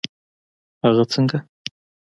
هغه څنګه؟